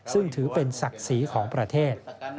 ซึ่งถือเป็นศักดิ์ศรีของประเทศ